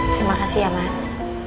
terima kasih ya mas